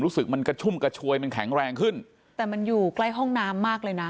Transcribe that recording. รู้สึกมันกระชุ่มกระชวยมันแข็งแรงขึ้นแต่มันอยู่ใกล้ห้องน้ำมากเลยนะ